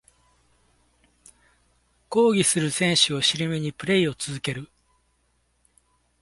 抗議する選手を尻目にプレイを続ける